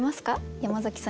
山崎さん